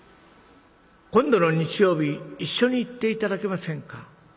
『今度の日曜日一緒に行って頂けませんか？